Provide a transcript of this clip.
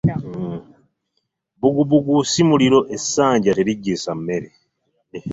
Bbugubugu simuliro essanja teligisa mmere.